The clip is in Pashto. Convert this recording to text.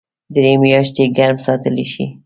درې میاشتې ګرم ساتلی شي .